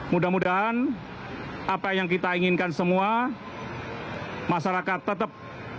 mudah mudahan apa yang kita inginkan semua masyarakat tetap